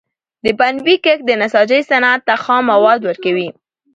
د پنبي کښت د نساجۍ صنعت ته خام مواد ورکوي.